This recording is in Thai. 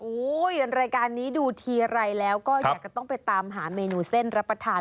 รายการนี้ดูทีไรแล้วก็อยากจะต้องไปตามหาเมนูเส้นรับประทาน